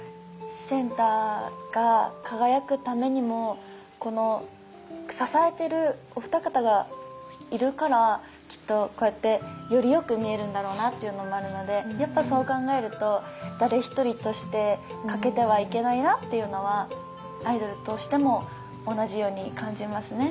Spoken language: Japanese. センターが輝くためにもこの支えてるお二方がいるからきっとこうやってよりよく見えるんだろうなっていうのもあるのでやっぱそう考えると誰一人として欠けてはいけないなっていうのはアイドルとしても同じように感じますね。